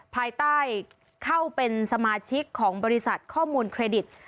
ภายใต้เข้าเป็นสมาชิกของบริษัทข้อมูลเครดิต